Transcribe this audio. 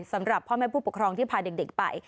สำหรับพ่อแม่ผู้ปกครองที่พาเด็กไป